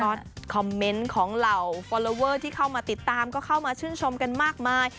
ก็คอมเมนต์ของเหล่าฟอลลอเวอร์ที่เข้ามาติดตามก็เข้ามาชื่นชมกันมากมาย